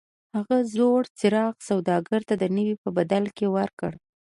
هغې زوړ څراغ سوداګر ته د نوي په بدل کې ورکړ.